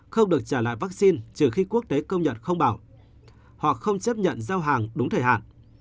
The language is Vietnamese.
không được trả lại vaccine trừ khi quốc tế công nhận không bảo hoặc không chấp nhận giao hàng đúng thời hạn